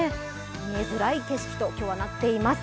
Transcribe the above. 見えづらい景色となっています。